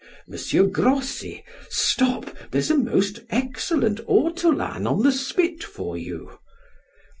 Monsieur Grossi! stop, there's a most excellent ortolan on the spit for you."